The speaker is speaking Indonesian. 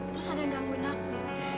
terus ada yang gangguin aku